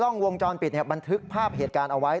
กล้องวงจรปิดบันทึกภาพเหตุการณ์เอาไว้